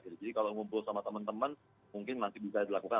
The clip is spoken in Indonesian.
jadi kalau ngumpul sama teman teman mungkin masih bisa dilakukan